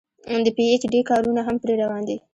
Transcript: د پي ايچ ډي کارونه هم پرې روان دي